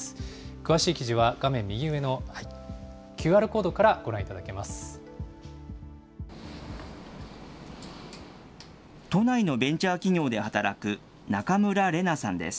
詳しい記事は画面右上のＱＲコードからご覧いただけます。